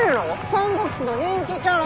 『三国志』の人気キャラ。